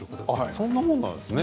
そんなもんなんですね。